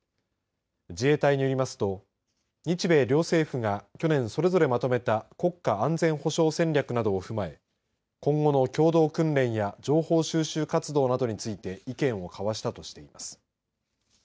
自衛隊によりますと日米両政府が去年それぞれまとめた国家安全保障戦略などを踏まえ今後の共同訓練や情報収集活動などについて意見を交わしたとしています。